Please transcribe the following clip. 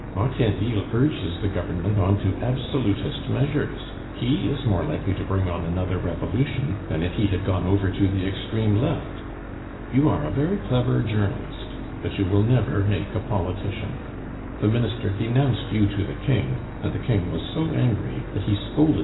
Martainville urges the Government on to Absolutist measures; he is more likely to bring on another Revolution than if he had gone over to the extreme Left. You are a very clever journalist, but you will never make a politician. The Minister denounced you to the King, and the King was so angry that he scolded M.